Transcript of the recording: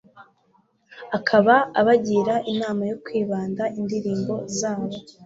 akaba abagira inama yo kwibanda indirimbo zabo